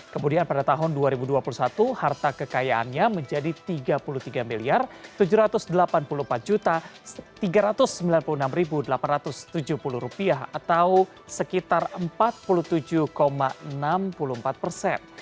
kemudian pada tahun dua ribu dua puluh satu harta kekayaannya menjadi tiga puluh tiga tujuh ratus delapan puluh empat tiga ratus sembilan puluh enam delapan ratus tujuh puluh atau sekitar empat puluh tujuh enam puluh empat persen